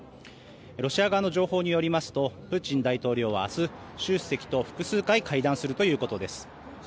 ロシア側の情報によりますとプーチン大統領は明日、習主席と複数回会談するということです。